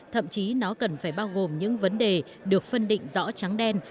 thậm chí nó cần phải bao gồm những vấn đề được phân định rõ trắng đen